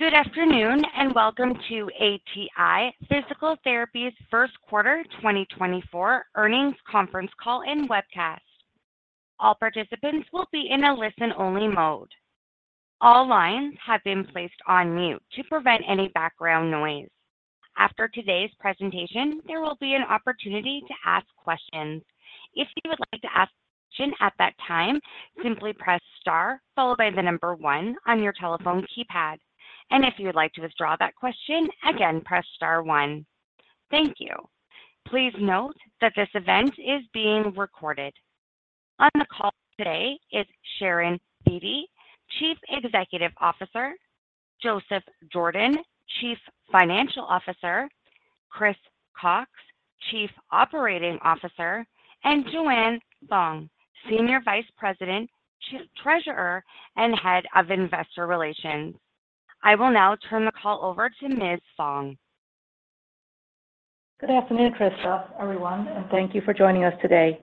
Good afternoon, and welcome to ATI Physical Therapy's first quarter 2024 earnings conference call and webcast. All participants will be in a listen-only mode. All lines have been placed on mute to prevent any background noise. After today's presentation, there will be an opportunity to ask questions. If you would like to ask a question at that time, simply press star followed by the number one on your telephone keypad. If you would like to withdraw that question, again, press star one. Thank you. Please note that this event is being recorded. On the call today is Sharon Vitti, Chief Executive Officer, Joseph Jordan, Chief Financial Officer, Chris Cox, Chief Operating Officer, and Joanne Fong, Senior Vice President, Chief Treasurer, and Head of Investor Relations. I will now turn the call over to Ms. Fong. Good afternoon, Krista, everyone, and thank you for joining us today.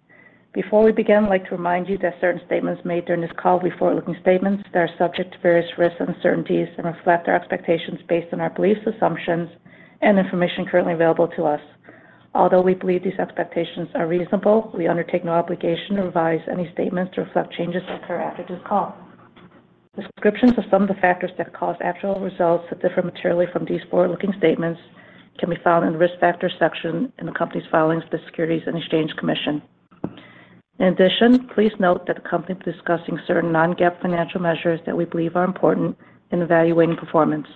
Before we begin, I'd like to remind you that certain statements made during this call will be forward-looking statements that are subject to various risks and uncertainties and reflect our expectations based on our beliefs, assumptions, and information currently available to us. Although we believe these expectations are reasonable, we undertake no obligation to revise any statements to reflect changes that occur after this call. Descriptions of some of the factors that cause actual results to differ materially from these forward-looking statements can be found in the Risk Factors section in the company's filings with the Securities and Exchange Commission. In addition, please note that the company is discussing certain Non-GAAP financial measures that we believe are important in evaluating performance.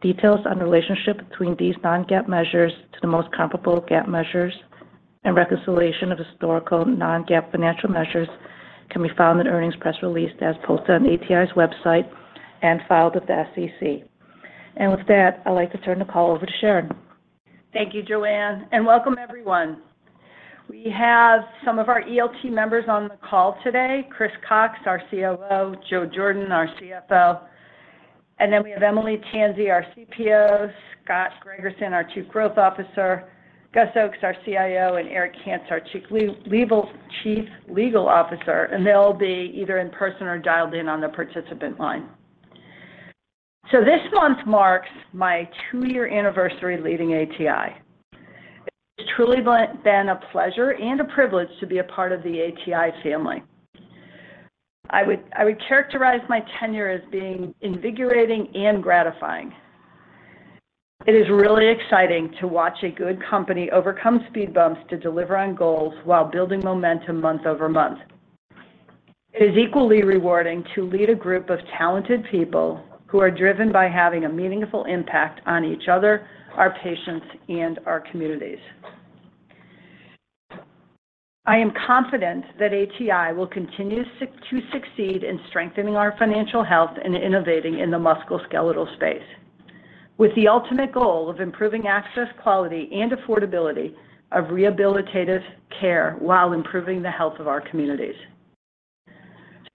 Details on the relationship between these non-GAAP measures to the most comparable GAAP measures and reconciliation of historical non-GAAP financial measures can be found in the earnings press release as posted on ATI's website and filed with the SEC. With that, I'd like to turn the call over to Sharon. Thank you, Joanne, and welcome everyone. We have some of our ELT members on the call today, Chris Cox, our COO, Joe Jordan, our CFO, and then we have Eimile Tansey, our CPO, Scott Gregerson, our Chief Growth Officer, Gus Oakes, our CIO, and Erik Kantz, our Chief Legal, Chief Legal Officer, and they'll be either in person or dialed in on the participant line. So this month marks my two-year anniversary leading ATI. It's truly been, been a pleasure and a privilege to be a part of the ATI family. I would, I would characterize my tenure as being invigorating and gratifying. It is really exciting to watch a good company overcome speed bumps to deliver on goals while building momentum month over month. It is equally rewarding to lead a group of talented people who are driven by having a meaningful impact on each other, our patients, and our communities. I am confident that ATI will continue to succeed in strengthening our financial health and innovating in the musculoskeletal space, with the ultimate goal of improving access, quality, and affordability of rehabilitative care while improving the health of our communities.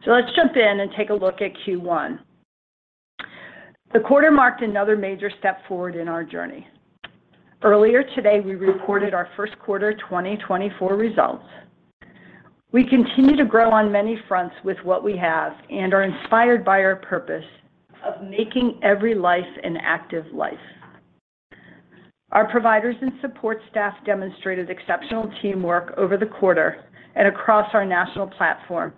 So let's jump in and take a look at Q1. The quarter marked another major step forward in our journey. Earlier today, we reported our first quarter 2024 results. We continue to grow on many fronts with what we have and are inspired by our purpose of making every life an active life. Our providers and support staff demonstrated exceptional teamwork over the quarter and across our national platform,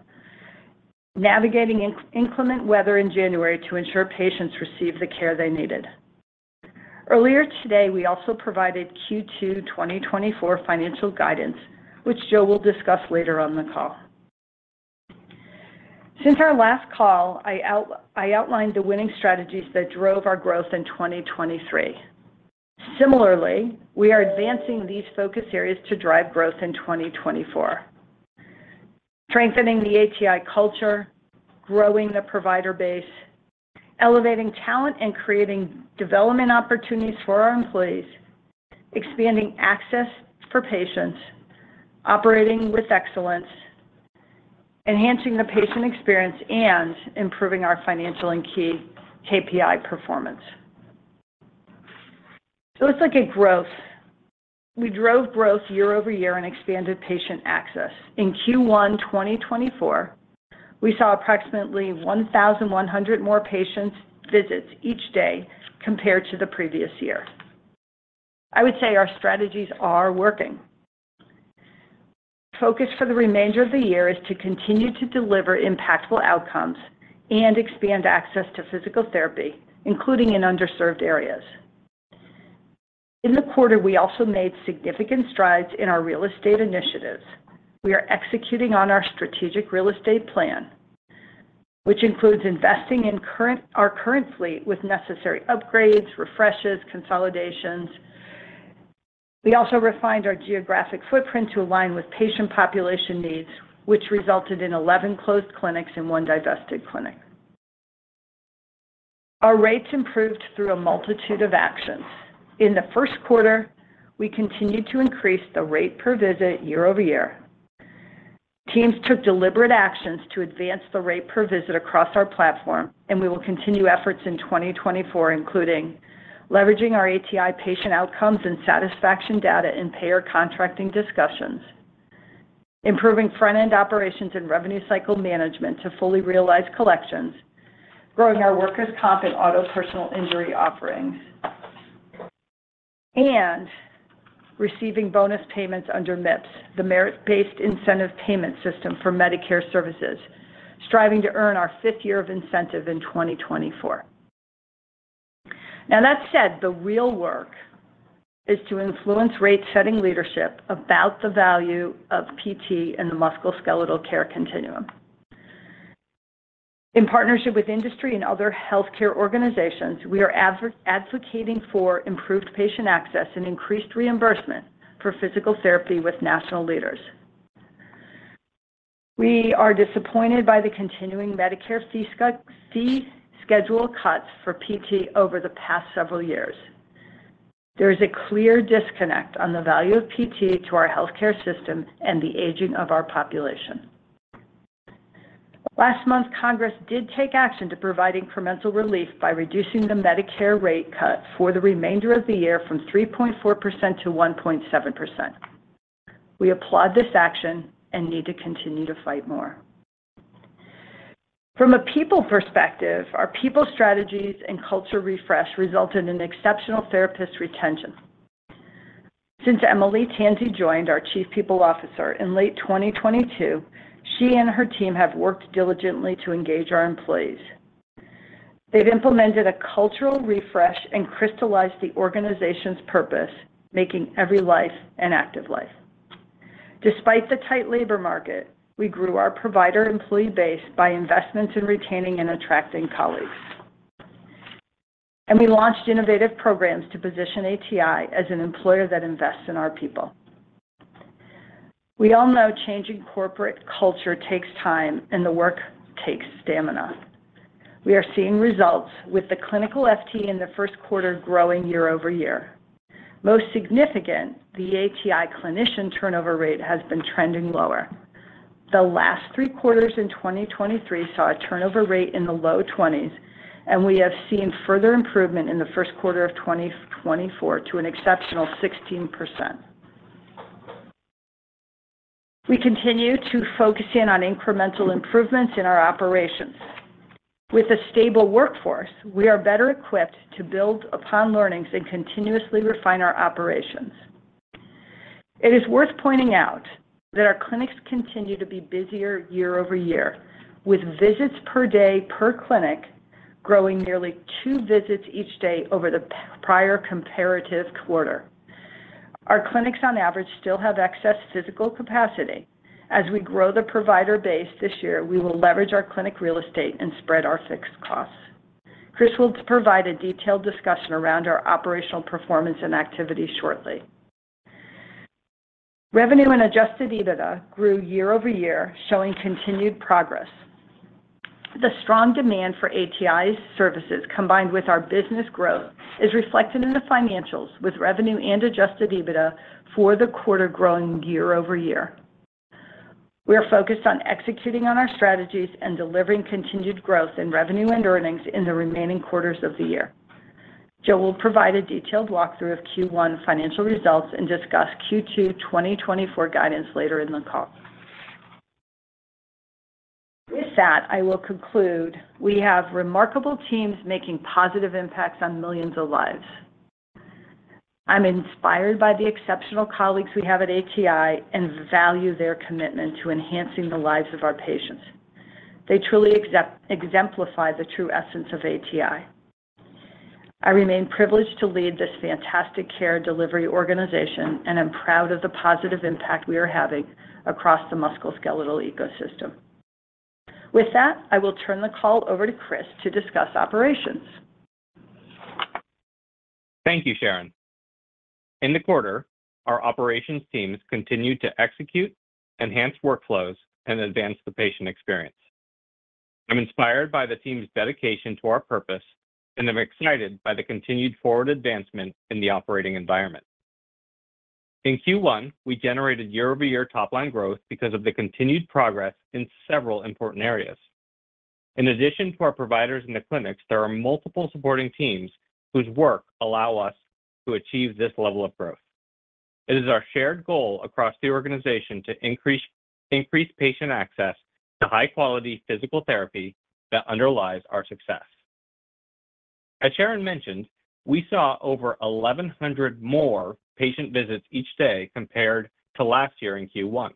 navigating inclement weather in January to ensure patients received the care they needed. Earlier today, we also provided Q2 2024 financial guidance, which Joe will discuss later on the call. Since our last call, I outlined the winning strategies that drove our growth in 2023. Similarly, we are advancing these focus areas to drive growth in 2024: strengthening the ATI culture, growing the provider base, elevating talent and creating development opportunities for our employees, expanding access for patients, operating with excellence, enhancing the patient experience, and improving our financial and key KPI performance. So let's look at growth. We drove growth year-over-year and expanded patient access. In Q1 2024, we saw approximately 1,100 more patient visits each day compared to the previous year. I would say our strategies are working. Focus for the remainder of the year is to continue to deliver impactful outcomes and expand access to physical therapy, including in underserved areas. In the quarter, we also made significant strides in our real estate initiatives. We are executing on our strategic real estate plan, which includes investing in our current fleet with necessary upgrades, refreshes, consolidations. We also refined our geographic footprint to align with patient population needs, which resulted in 11 closed clinics and one divested clinic. Our rates improved through a multitude of actions. In the first quarter, we continued to increase the rate per visit year-over-year. Teams took deliberate actions to advance the rate per visit across our platform, and we will continue efforts in 2024, including leveraging our ATI patient outcomes and satisfaction data in payer contracting discussions. Improving front-end operations and revenue cycle management to fully realize collections, growing our workers' comp and auto personal injury offerings, and receiving bonus payments under MIPS, the Merit-based Incentive Payment System for Medicare Services, striving to earn our fifth year of incentive in 2024. Now, that said, the real work is to influence rate-setting leadership about the value of PT in the musculoskeletal care continuum. In partnership with industry and other healthcare organizations, we are advocating for improved patient access and increased reimbursement for physical therapy with national leaders. We are disappointed by the continuing Medicare fee schedule cuts for PT over the past several years. There is a clear disconnect on the value of PT to our healthcare system and the aging of our population. Last month, Congress did take action to provide incremental relief by reducing the Medicare rate cut for the remainder of the year from 3.4%-1.7%. We applaud this action and need to continue to fight more. From a people perspective, our people strategies and culture refresh resulted in exceptional therapist retention. Since Eimile Tansey joined, our Chief People Officer, in late 2022, she and her team have worked diligently to engage our employees. They've implemented a cultural refresh and crystallized the organization's purpose, making every life an active life. Despite the tight labor market, we grew our provider employee base by investments in retaining and attracting colleagues. We launched innovative programs to position ATI as an employer that invests in our people. We all know changing corporate culture takes time, and the work takes stamina. We are seeing results with the clinical FTE in the first quarter growing year-over-year. Most significant, the ATI clinician turnover rate has been trending lower. The last 3 quarters in 2023 saw a turnover rate in the low 20s, and we have seen further improvement in the first quarter of 2024 to an exceptional 16%. We continue to focus in on incremental improvements in our operations. With a stable workforce, we are better equipped to build upon learnings and continuously refine our operations. It is worth pointing out that our clinics continue to be busier year-over-year, with visits per day per clinic growing nearly two visits each day over the prior comparative quarter. Our clinics, on average, still have excess physical capacity. As we grow the provider base this year, we will leverage our clinic real estate and spread our fixed costs. Chris will provide a detailed discussion around our operational performance and activity shortly. Revenue and Adjusted EBITDA grew year-over-year, showing continued progress. The strong demand for ATI's services, combined with our business growth, is reflected in the financials, with revenue and Adjusted EBITDA for the quarter growing year-over-year. We are focused on executing on our strategies and delivering continued growth in revenue and earnings in the remaining quarters of the year. Joe will provide a detailed walkthrough of Q1 financial results and discuss Q2 2024 guidance later in the call. With that, I will conclude. We have remarkable teams making positive impacts on millions of lives. I'm inspired by the exceptional colleagues we have at ATI and value their commitment to enhancing the lives of our patients. They truly exemplify the true essence of ATI. I remain privileged to lead this fantastic care delivery organization, and I'm proud of the positive impact we are having across the musculoskeletal ecosystem. With that, I will turn the call over to Chris to discuss operations. Thank you, Sharon. In the quarter, our operations teams continued to execute, enhance workflows, and advance the patient experience. I'm inspired by the team's dedication to our purpose, and I'm excited by the continued forward advancement in the operating environment. In Q1, we generated year-over-year top-line growth because of the continued progress in several important areas. In addition to our providers in the clinics, there are multiple supporting teams whose work allow us to achieve this level of growth. It is our shared goal across the organization to increase, increase patient access to high-quality physical therapy that underlies our success. As Sharon mentioned, we saw over 1,100 more patient visits each day compared to last year in Q1.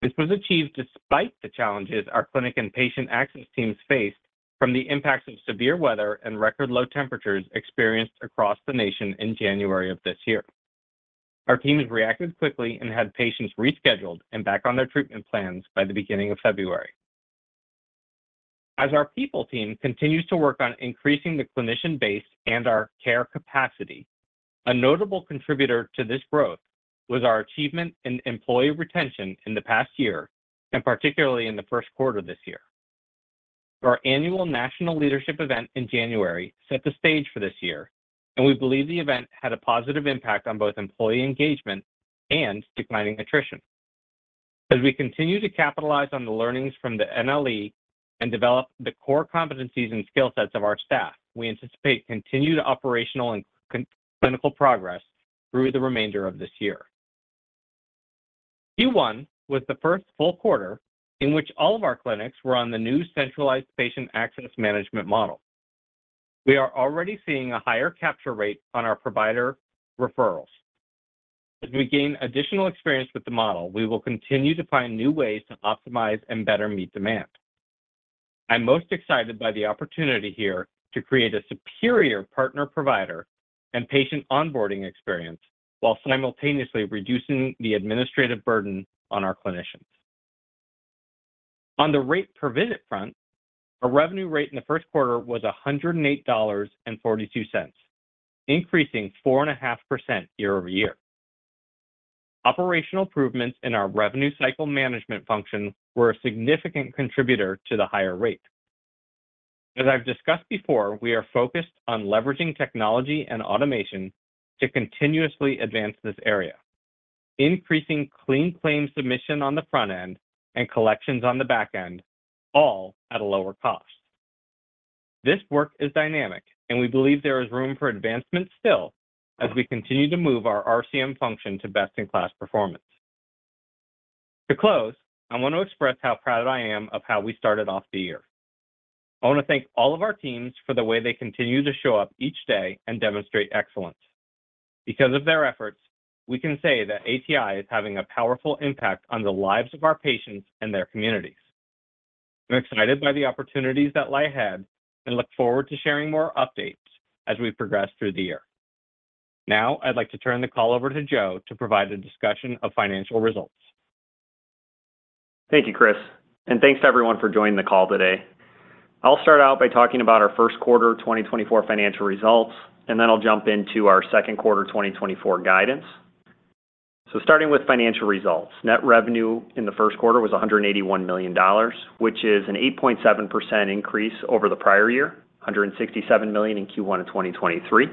This was achieved despite the challenges our clinic and patient access teams faced from the impacts of severe weather and record low temperatures experienced across the nation in January of this year. Our teams reacted quickly and had patients rescheduled and back on their treatment plans by the beginning of February. As our people team continues to work on increasing the clinician base and our care capacity, a notable contributor to this growth was our achievement in employee retention in the past year, and particularly in the first quarter this year. Our annual national leadership event in January set the stage for this year, and we believe the event had a positive impact on both employee engagement and declining attrition. As we continue to capitalize on the learnings from the NLE and develop the core competencies and skill sets of our staff. We anticipate continued operational and clinical progress through the remainder of this year. Q1 was the first full quarter in which all of our clinics were on the new centralized patient access management model. We are already seeing a higher capture rate on our provider referrals. As we gain additional experience with the model, we will continue to find new ways to optimize and better meet demand. I'm most excited by the opportunity here to create a superior partner, provider, and patient onboarding experience, while simultaneously reducing the administrative burden on our clinicians. On the rate per visit front, our revenue rate in the first quarter was $108.42, increasing 4.5% year-over-year. Operational improvements in our revenue cycle management function were a significant contributor to the higher rate. As I've discussed before, we are focused on leveraging technology and automation to continuously advance this area, increasing clean claim submission on the front end and collections on the back end, all at a lower cost. This work is dynamic, and we believe there is room for advancement still as we continue to move our RCM function to best-in-class performance. To close, I want to express how proud I am of how we started off the year. I want to thank all of our teams for the way they continue to show up each day and demonstrate excellence. Because of their efforts, we can say that ATI is having a powerful impact on the lives of our patients and their communities. I'm excited by the opportunities that lie ahead and look forward to sharing more updates as we progress through the year. Now, I'd like to turn the call over to Joe to provide a discussion of financial results. Thank you, Chris, and thanks to everyone for joining the call today. I'll start out by talking about our first quarter 2024 financial results, and then I'll jump into our second quarter 2024 guidance. Starting with financial results, net revenue in the first quarter was $181 million, which is an 8.7% increase over the prior year, $167 million in Q1 of 2023.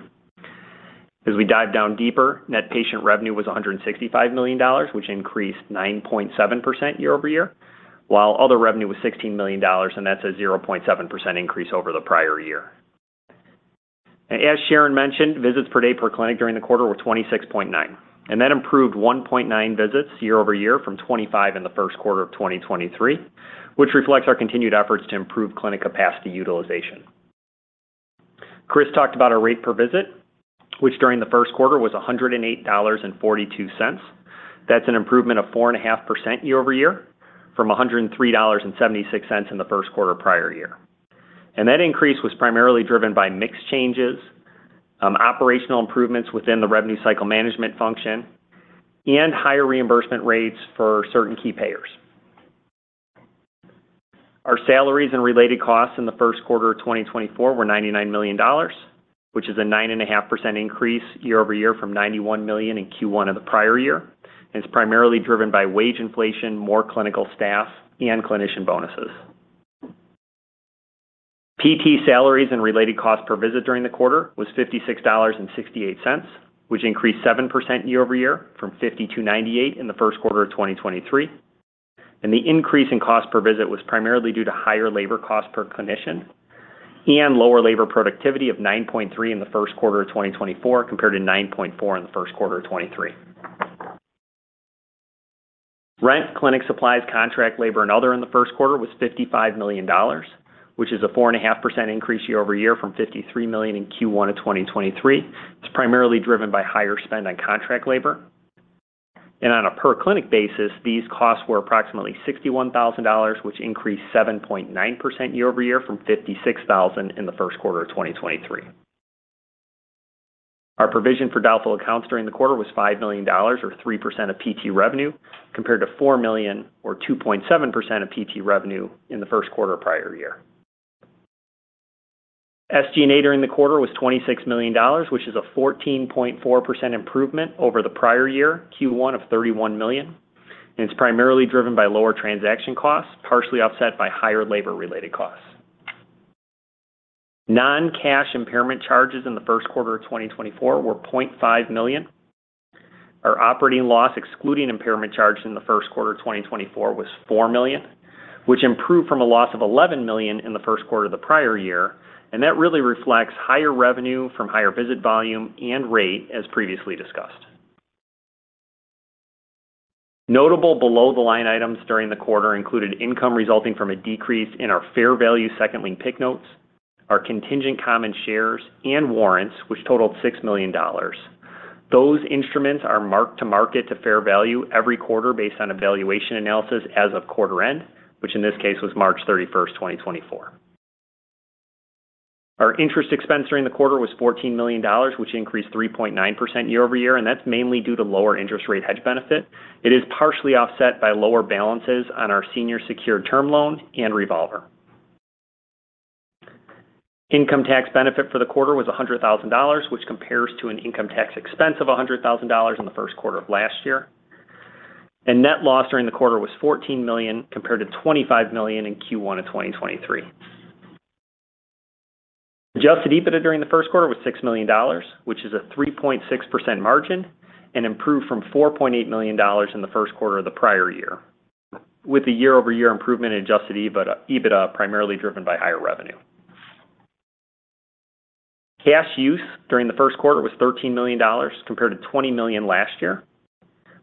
As we dive down deeper, net patient revenue was $165 million, which increased 9.7% year-over-year, while other revenue was $16 million, and that's a 0.7% increase over the prior year. As Sharon mentioned, visits per day per clinic during the quarter were 26.9, and that improved 1.9 visits year-over-year from 25 in the first quarter of 2023, which reflects our continued efforts to improve clinic capacity utilization. Chris talked about our rate per visit, which during the first quarter was $108.42. That's an improvement of 4.5% year-over-year, from $103.76 in the first quarter prior year. That increase was primarily driven by mix changes, operational improvements within the Revenue Cycle Management function, and higher reimbursement rates for certain key payers. Our salaries and related costs in the first quarter of 2024 were $99 million, which is a 9.5% increase year-over-year from $91 million in Q1 of the prior year, and it's primarily driven by wage inflation, more clinical staff, and clinician bonuses. PT salaries and related costs per visit during the quarter was $56.68, which increased 7% year-over-year from $52.98 in the first quarter of 2023. The increase in cost per visit was primarily due to higher labor cost per clinician and lower labor productivity of 9.3 in the first quarter of 2024, compared to 9.4 in the first quarter of 2023. Rent, clinic supplies, contract labor, and other in the first quarter was $55 million, which is a 4.5% increase year-over-year from $53 million in Q1 of 2023. It's primarily driven by higher spend on contract labor, and on a per clinic basis, these costs were approximately $61,000, which increased 7.9% year-over-year from $56,000 in the first quarter of 2023. Our provision for doubtful accounts during the quarter was $5 million, or 3% of PT revenue, compared to $4 million or 2.7% of PT revenue in the first quarter prior year. SG&A during the quarter was $26 million, which is a 14.4% improvement over the prior year, Q1 of $31 million, and it's primarily driven by lower transaction costs, partially offset by higher labor-related costs. Non-cash impairment charges in the first quarter of 2024 were $0.5 million. Our operating loss, excluding impairment charges in the first quarter of 2024, was $4 million, which improved from a loss of $11 million in the first quarter of the prior year, and that really reflects higher revenue from higher visit volume and rate as previously discussed. Notable below-the-line items during the quarter included income resulting from a decrease in our fair value second lien PIK notes, our contingent common shares, and warrants, which totaled $6 million. Those instruments are marked to market to fair value every quarter based on a valuation analysis as of quarter end, which in this case was March 31, 2024. Our interest expense during the quarter was $14 million, which increased 3.9% year-over-year, and that's mainly due to lower interest rate hedge benefit. It is partially offset by lower balances on our senior secured term loan and revolver. Income tax benefit for the quarter was $100,000, which compares to an income tax expense of $100,000 in the first quarter of last year. The net loss during the quarter was $14 million, compared to $25 million in Q1 of 2023. Adjusted EBITDA during the first quarter was $6 million, which is a 3.6% margin, and improved from $4.8 million in the first quarter of the prior year, with the year-over-year improvement in adjusted EBITDA, EBITDA primarily driven by higher revenue. Cash use during the first quarter was $13 million, compared to $20 million last year,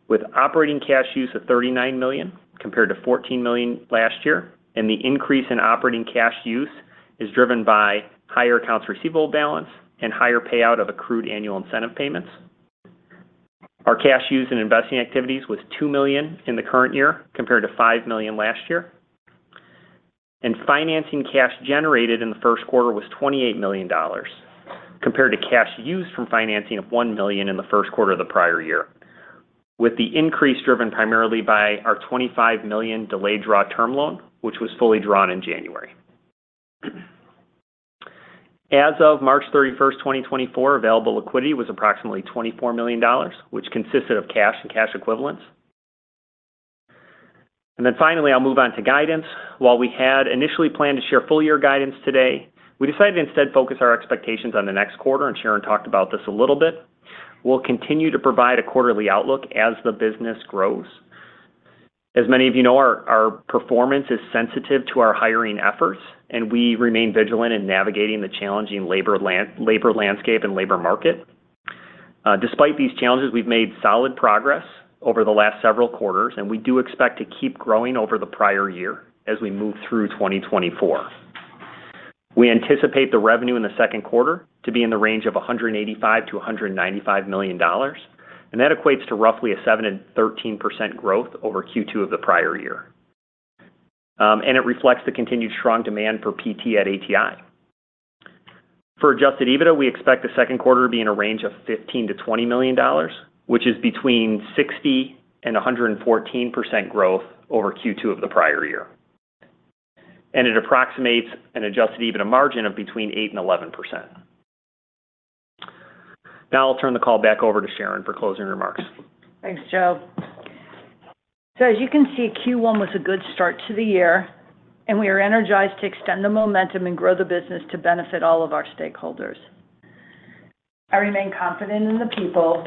with operating cash use of $39 million, compared to $14 million last year. The increase in operating cash use is driven by higher accounts receivable balance and higher payout of accrued annual incentive payments. Our cash use in investing activities was $2 million in the current year, compared to $5 million last year. Financing cash generated in the first quarter was $28 million, compared to cash used from financing of $1 million in the first quarter of the prior year, with the increase driven primarily by our $25 million delayed draw term loan, which was fully drawn in January. As of March 31, 2024, available liquidity was approximately $24 million, which consisted of cash and cash equivalents. Then finally, I'll move on to guidance. While we had initially planned to share full year guidance today, we decided to instead focus our expectations on the next quarter, and Sharon talked about this a little bit. We'll continue to provide a quarterly outlook as the business grows. As many of you know, our, our performance is sensitive to our hiring efforts, and we remain vigilant in navigating the challenging labor landscape and labor market. Despite these challenges, we've made solid progress over the last several quarters, and we do expect to keep growing over the prior year as we move through 2024. We anticipate the revenue in the second quarter to be in the range of $185 million-$195 million, and that equates to roughly 7%-13% growth over Q2 of the prior year, and it reflects the continued strong demand for PT at ATI. For Adjusted EBITDA, we expect the second quarter to be in a range of $15 million-$20 million, which is between 60%-114% growth over Q2 of the prior year. It approximates an Adjusted EBITDA margin of between 8%-11%. Now I'll turn the call back over to Sharon for closing remarks. Thanks, Joe. As you can see, Q1 was a good start to the year, and we are energized to extend the momentum and grow the business to benefit all of our stakeholders. I remain confident in the people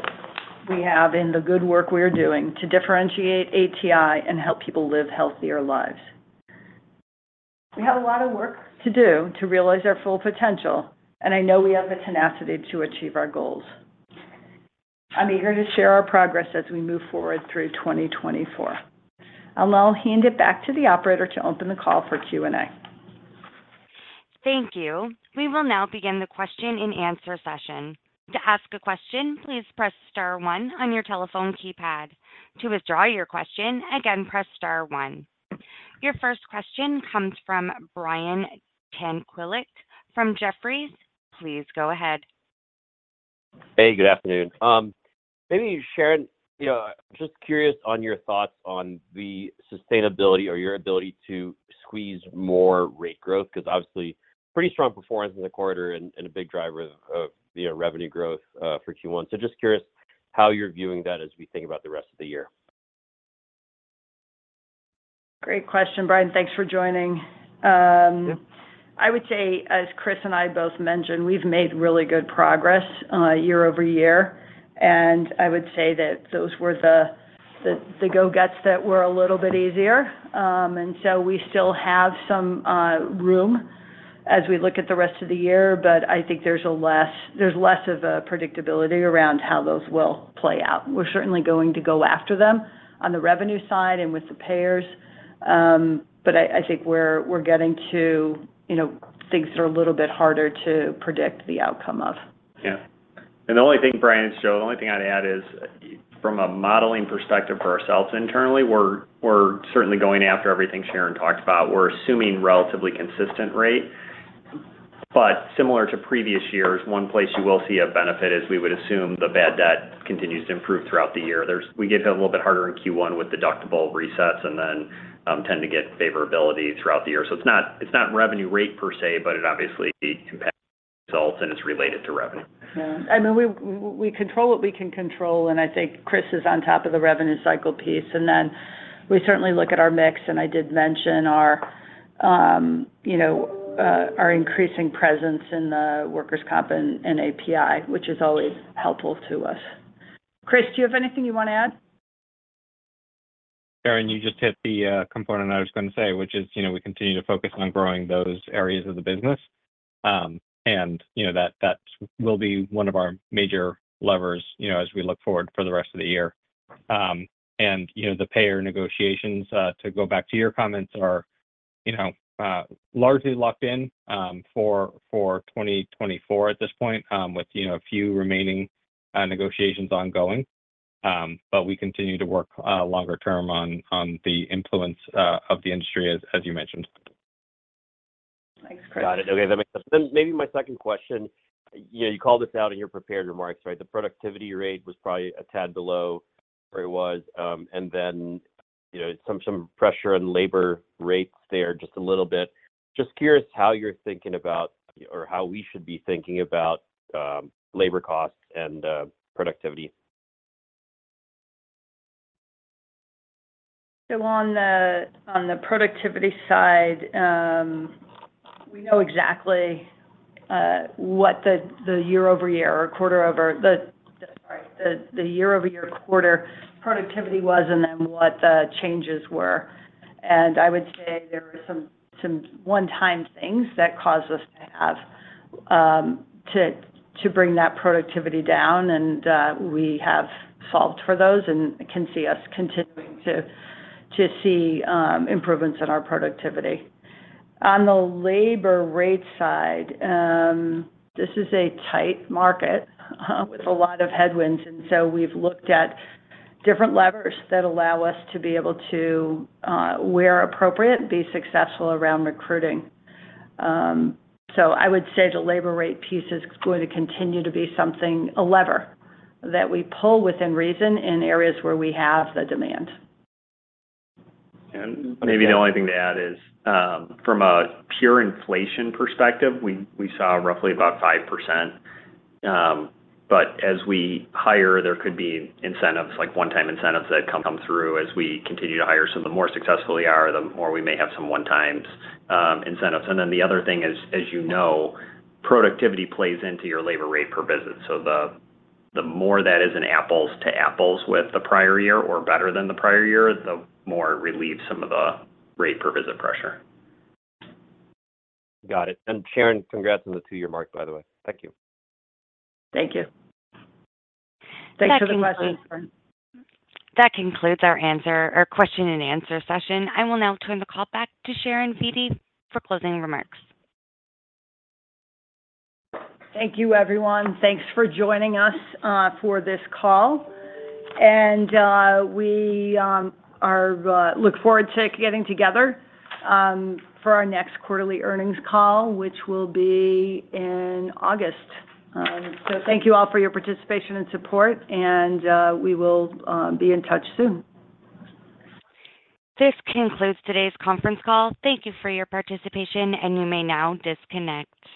we have and the good work we are doing to differentiate ATI and help people live healthier lives. We have a lot of work to do to realize our full potential, and I know we have the tenacity to achieve our goals. I'm eager to share our progress as we move forward through 2024. I'll now hand it back to the operator to open the call for Q&A. Thank you. We will now begin the question and answer session. To ask a question, please press star one on your telephone keypad. To withdraw your question, again, press star one. Your first question comes from Brian Tanquilut from Jefferies. Please go ahead. Hey, good afternoon. Maybe, Sharon, you know, just curious on your thoughts on the sustainability or your ability to squeeze more rate growth, because obviously, pretty strong performance in the quarter and, and a big driver of, the revenue growth, for Q1. So just curious how you're viewing that as we think about the rest of the year. Great question, Brian. Thanks for joining. Yep. I would say, as Chris and I both mentioned, we've made really good progress year-over-year, and I would say that those were the go-gets that were a little bit easier. And so we still have some room as we look at the rest of the year, but I think there's less of a predictability around how those will play out. We're certainly going to go after them on the revenue side and with the payers, but I think we're getting to, you know, things that are a little bit harder to predict the outcome of. Yeah. And the only thing, Brian, so the only thing I'd add is from a modeling perspective for ourselves internally, we're, we're certainly going after everything Sharon talked about. We're assuming relatively consistent rate, but similar to previous years, one place you will see a benefit is we would assume the bad debt continues to improve throughout the year. There is. We get hit a little bit harder in Q1 with deductible resets and then tend to get favorability throughout the year. So it's not, it's not revenue rate per se, but it obviously compares results, and it's related to revenue. Yeah. I mean, we control what we can control, and I think Chris is on top of the revenue cycle piece, and then we certainly look at our mix, and I did mention our, you know, our increasing presence in the Workers' Comp and API, which is always helpful to us. Chris, do you have anything you want to add? Sharon, you just hit the component I was going to say, which is, you know, we continue to focus on growing those areas of the business. And you know, that, that will be one of our major levers, you know, as we look forward for the rest of the year. And, you know, the payer negotiations, to go back to your comments, are, you know, largely locked in, for 2024 at this point, with, you know, a few remaining negotiations ongoing. But we continue to work, longer term on the influence of the industry, as you mentioned. Thanks, Chris. Got it. Okay, that makes sense. Then maybe my second question, you know, you called this out in your prepared remarks, right? The productivity rate was probably a tad below where it was, and then, you know, some pressure on labor rates there just a little bit. Just curious how you're thinking about or how we should be thinking about, labor costs and, productivity. So on the productivity side, we know exactly what the year-over-year or quarter over the, sorry, the year-over-year quarter productivity was and then what the changes were. And I would say there were some one-time things that caused us to have to bring that productivity down, and we have solved for those and can see us continuing to see improvements in our productivity. On the labor rate side, this is a tight market with a lot of headwinds, and so we've looked at different levers that allow us to be able to, where appropriate, be successful around recruiting. So I would say the labor rate piece is going to continue to be something, a lever that we pull within reason in areas where we have the demand. Maybe the only thing to add is, from a pure inflation perspective, we saw roughly about 5%. But as we hire, there could be incentives, like one-time incentives that come through as we continue to hire. So the more successful we are, the more we may have some one-times incentives. And then the other thing is, as you know, productivity plays into your labor rate per visit. So the more that is an apples to apples with the prior year or better than the prior year, the more it relieves some of the rate per visit pressure. Got it. Sharon, congrats on the two-year mark, by the way. Thank you. Thank you. Thanks for the question. That concludes our answer or question and answer session. I will now turn the call back to Sharon Vitti for closing remarks. Thank you, everyone. Thanks for joining us for this call. We look forward to getting together for our next quarterly earnings call, which will be in August. Thank you all for your participation and support, and we will be in touch soon. This concludes today's conference call. Thank you for your participation, and you may now disconnect.